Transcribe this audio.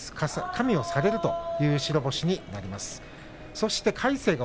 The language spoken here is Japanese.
加味されるという白星になります。